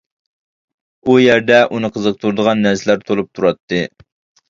ئۇ يەردە ئۇنى قىزىقتۇرىدىغان نەرسىلەر تولۇپ تۇراتتى.